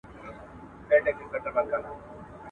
د خپلي کوټې واوري پر بل اچوي.